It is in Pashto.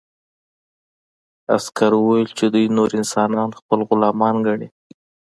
عسکر وویل چې دوی نور انسانان خپل غلامان ګڼي